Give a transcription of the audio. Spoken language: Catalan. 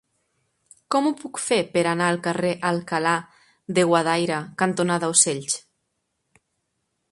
Com ho puc fer per anar al carrer Alcalá de Guadaira cantonada Ocells?